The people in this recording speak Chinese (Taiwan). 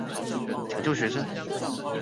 搶救學生